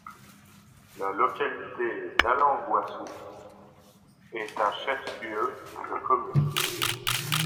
La localité de Allangouassou est un chef-lieu de commune.